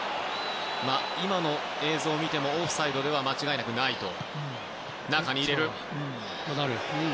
今の映像を見てもオフサイドでは間違いなくないと。